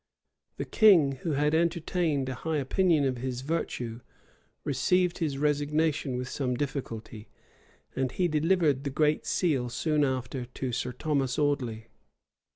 The king, who had entertained a high opinion of his virtue, received his resignation with some difficulty; and he delivered the great seal soon after to Sir Thomas Audley.